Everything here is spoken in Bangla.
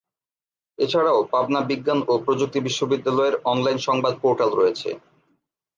এছাড়াও পাবনা বিজ্ঞান ও প্রযুক্তি বিশ্ববিদ্যালয়ের অনলাইন সংবাদ পোর্টাল রয়েছে।